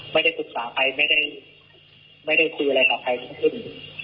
ไม่ได้ศึกษาใครไม่ได้ไม่ได้คุยอะไรกับใครทั้งขึ้น